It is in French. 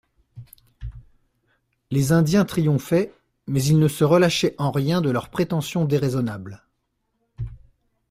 Les Indiens triomphaient, mais ils ne se relâchaient en rien de leurs prétentions déraisonnables.